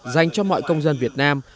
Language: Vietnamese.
dành cho mọi công dân việt nam